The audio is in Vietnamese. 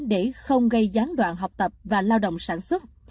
để không gây gián đoạn học tập và lao động sản xuất